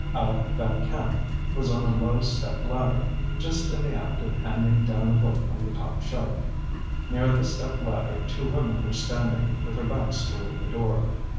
Aleck Van Camp was on a low step ladder, just in the act of handing down a book from the top shelf. Near the step ladder two women were standing, with their backs toward the door.